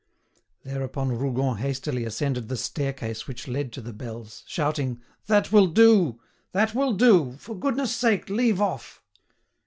Thereupon Rougon hastily ascended the staircase which led to the bells, shouting: "That will do! That will do! For goodness' sake leave off!"